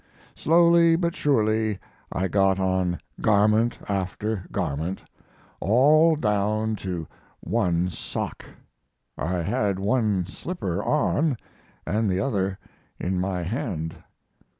Slowly but surely I got on garment after garment all down to one sock; I had one slipper on and the other in my hand.